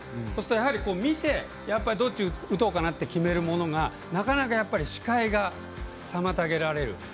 やはり、見てどっち打とうかなって決めるものが、なかなか視界が妨げられる。